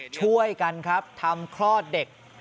ช่วยกันครับทำคลอดเด็ก